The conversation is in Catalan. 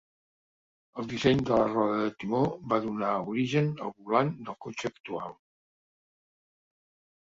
El disseny de la roda de timó va donar origen al volant del cotxe actual.